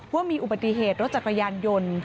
ว่ามีอุบัติเหตุรถจักรยานยนต์